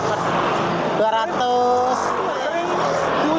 kadang kadang dapat dua ratus